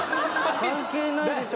関係ないでしょ